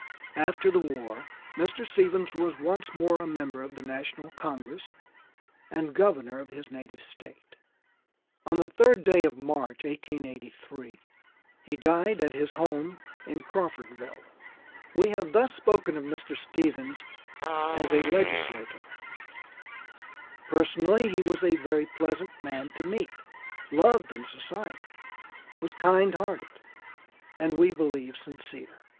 After the war Mr. Stephens was once more a member of the National Congress and Governor of his native State. On the 3rd day of March, 1883, he died at his home in Crawfordville. We have thus spoken of Mr. Stephens as a legislator; personally, he was a very pleasant man to meet, loved in society, was kind hearted, and we believe sincere.